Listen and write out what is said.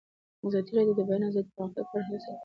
ازادي راډیو د د بیان آزادي د پرمختګ په اړه هیله څرګنده کړې.